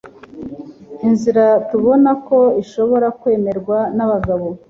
inzira tubona ko ishobora kwemerwa nabagabo